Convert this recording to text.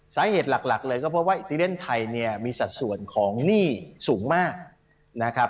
สาเหตุหลักเลยก็เพราะว่าอิตาเลียนไทยเนี่ยมีสัดส่วนของหนี้สูงมากนะครับ